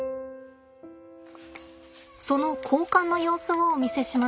その交換の様子をお見せします。